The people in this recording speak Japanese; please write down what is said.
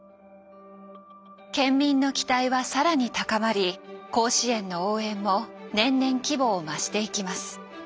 県民の期待は更に高まり甲子園の応援も年々規模を増していきます。